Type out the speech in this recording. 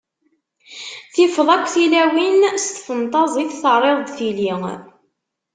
Tifeḍ akk tilawin, s tfentaẓit terriḍ-d tili.